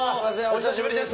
お久しぶりです